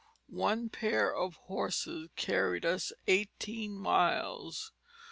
One pair of horses carried us eighteen miles.